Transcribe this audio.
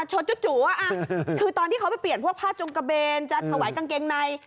จู่คือตอนที่เขาไปเปลี่ยนพวกผ้าจงกระเบนจะถวายกางเกงใน